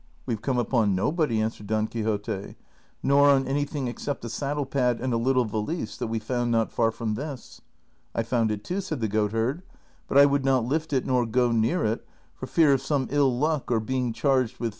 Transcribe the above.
" We have come upon nobody," answered Don Quixote, " nor on anything except a saddle pad and a little valise that we found not far from this." " I found it too," said the goatherd, '' but I would not lift it nor go near it for fear of some ill luck or being charged with CHAPTER XX in.